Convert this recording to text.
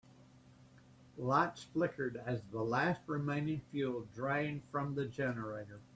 Lights flickered as the last remaining fuel drained from the generator.